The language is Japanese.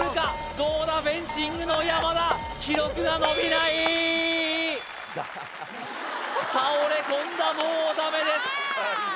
どうだフェンシングの山田記録が伸びない倒れ込んだもうダメです